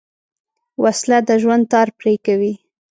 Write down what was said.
وسله د ژوند تار پرې کوي